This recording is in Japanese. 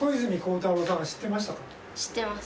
知ってます。